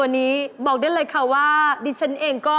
เน้น